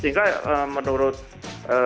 terima kasih beautiful